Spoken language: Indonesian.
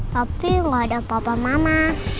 tapi gak ada papa mama